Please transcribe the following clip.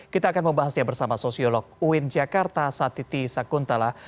kita akan membahasnya bersama sosiolog uin jakarta satiti sakuntala